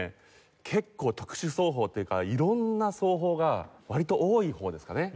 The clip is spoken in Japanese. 結構特殊奏法っていうかいろんな奏法が割と多い方ですかね。